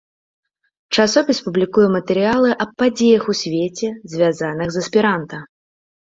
Часопіс публікуе матэрыялы аб падзеях у свеце, звязаных з эсперанта.